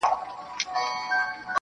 ستا څخه چي ياره روانـــــــــــېــږمه~